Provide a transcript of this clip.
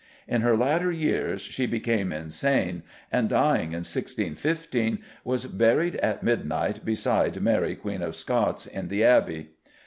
In her latter years she became insane, and, dying in 1615, was buried at midnight beside Mary Queen of Scots in the Abbey.